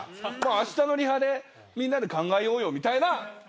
あしたのリハでみんなで考えようよみたいな。